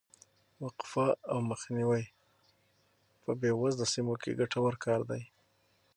وقفه او مخنیوی په بې وزله سیمو کې ګټور کار دی.